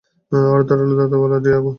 আর ধারালো দাঁতওয়ালা ডিয়েগো।